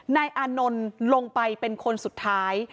นายอานนท์ลงไปเป็นคนสุดท้าย